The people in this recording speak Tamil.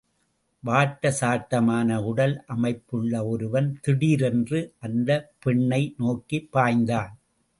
வாட்ட சாட்டமான உடல் அமைப்புள்ள ஒருவன், தீடிரென்று அந்த பெண்னை நோக்கிப் பாய்ந்தான்.